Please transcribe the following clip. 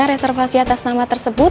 reservasi atas nama tersebut